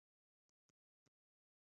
هغه د ونې ترڅنګ په ډیر قهر سره کیندل پیل کړل